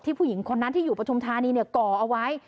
ผู้หญิงคนนั้นที่อยู่ปฐุมธานีก่อเอาไว้